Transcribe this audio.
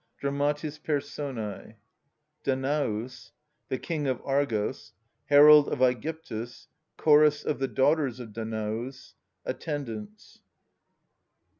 DRAMATIS PERSONS. Danaus. The King of Argos. Herald of ^gyptus. Chorus of the Daughters of Danaus, Attendants.